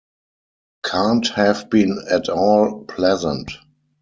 Can't have been at all pleasant.